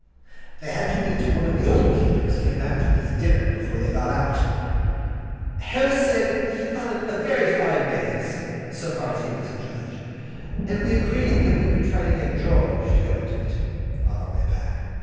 They had to wait till one of the old keepers came back from his dinner before they got out. Harris said he thought it was a very fine maze, so far as he was a judge; and we agreed that we would try to get George to go into it, on our way back.